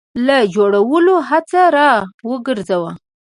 له جوړولو څخه را وګرځاوه.